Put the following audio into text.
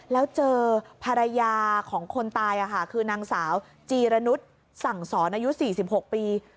แล้วเจอภรรยาของคนตายคือนางสาวจีรนุษย์สั่งสอนอายุ๔๖ปี